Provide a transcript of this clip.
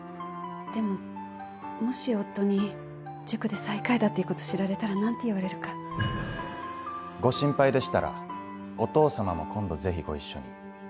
でももし夫に塾で最下位だっていうことを知られたら何て言われるか。ご心配でしたらお父様も今度ぜひご一緒に。